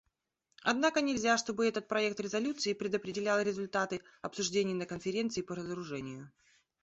Однако нельзя, чтобы этот проект резолюции предопределял результаты обсуждений на Конференции по разоружению.